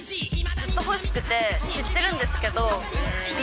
ずっと欲しくて、知ってるんそうですね。